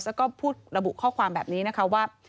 แล้วก็พูดระบุข้อความแบบนี้นะคะว่า